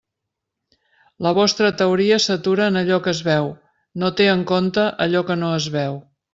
La vostra teoria s'atura en allò que es veu, no té en compte allò que no es veu.